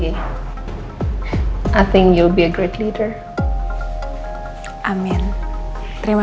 dia datang sama keluarga alvari dan bu anding bos